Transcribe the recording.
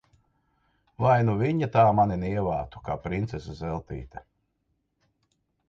Vai nu viņa tā mani nievātu, kā princese Zeltīte!